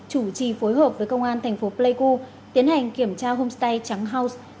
chủ trì phối hợp với công an thành phố pleiku tiến hành kiểm tra homestay trắng house